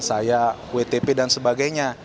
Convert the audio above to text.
saya wtp dan sebagainya